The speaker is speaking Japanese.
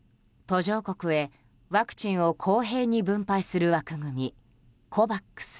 途上国へワクチンを公平に分配する枠組みＣＯＶＡＸ。